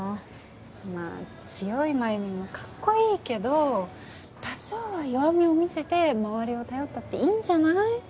まあ強い繭美もかっこいいけど多少は弱みを見せて周りを頼ったっていいんじゃない？